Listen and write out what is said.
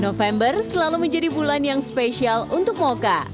november selalu menjadi bulan yang spesial untuk moka